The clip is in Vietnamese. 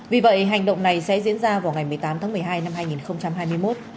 vì vậy hành động này sẽ diễn ra vào ngày một mươi tám tháng một mươi hai năm hai nghìn hai mươi một